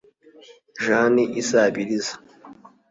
Jeanne Izabiriza